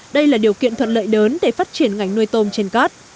đây là điều kiện thuận lợi lớn để phát triển ngành nuôi tôm trên cát